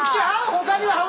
他には？